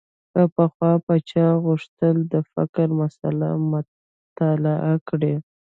که پخوا به چا غوښتل د فقر مسأله مطالعه کړي.